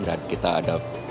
dan kita ada doa hatam quran